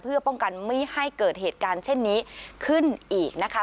เพื่อป้องกันไม่ให้เกิดเหตุการณ์เช่นนี้ขึ้นอีกนะคะ